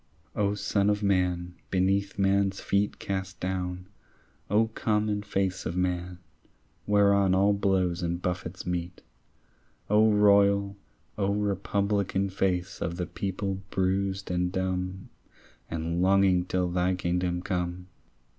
O son of man, beneath man's feet Cast down, O common face of man Whereon all blows and buffets meet, O royal, O republican Face of the people bruised and dumb And longing till thy kingdom come!